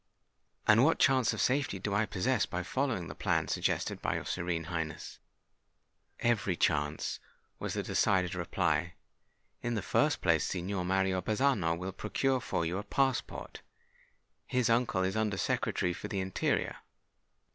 "And what chance of safety do I possess by following the plan suggested by your Serene Highness?" "Every chance," was the decided reply. "In the first place, Signor Mario Bazzano will procure for you a passport: his uncle is Under Secretary for the Interior.